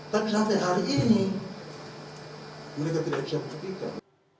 tapi sampai hari ini mereka tidak bisa buktikan